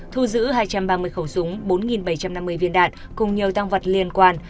thu giữ hai trăm ba mươi khẩu súng bốn bảy trăm năm mươi viên đạn cùng nhiều tăng vật liên quan